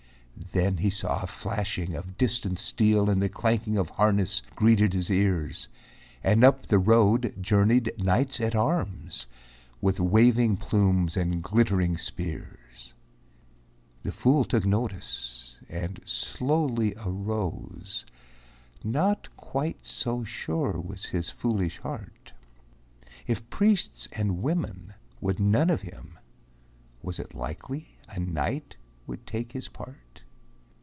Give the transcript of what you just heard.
Then he saw a flashing of distant steel And the clanking of harness greeted his ears, And up the road journeyed knights at arms, With waving plumes and glittering spears. The fool took notice and slowly arose, Not quite so sure was his foolish heart. If priests and women would none of him Was it likely a knight would take his part?